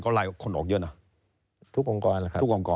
เขาไล่คนออกเยอะนะ